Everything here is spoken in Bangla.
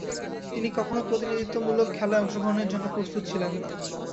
তিনি কখনো প্রতিনিধিত্বমূলক খেলায় অংশগ্রহণের জন্যে প্রস্তুত ছিলেন না।